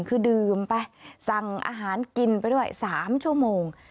คือดื่มไปสั่งอาหารกินไปด้วย๓ชั่วโมง